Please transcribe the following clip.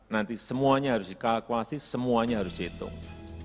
nanti semuanya harus dikalkulasi semuanya harus dihitung